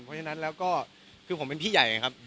เพราะฉะนั้นแล้วก็คือผมเป็นพี่ใหญ่ครับ